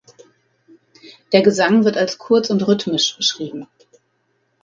Der Gesang wird als kurz und rhythmisch beschrieben.